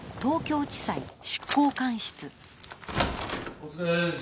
お疲れっす。